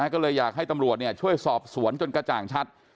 ก็เลยอยากให้ตำรวจช่วยสอบสวนจนกระจ่างชัด